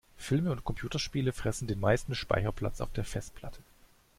Filme und Computerspiele fressen den meisten Speicherplatz auf der Festplatte.